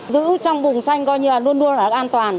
giữ trong vùng xanh coi như là luôn luôn là an toàn